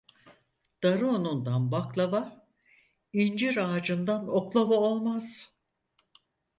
Darı unundan baklava, incir ağacından oklava olmaz.